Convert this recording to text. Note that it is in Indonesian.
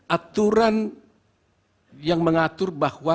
aturan yang mengatur bahwa